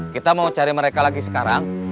kita mau cari mereka lagi sekarang